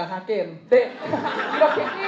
คุณขาหึล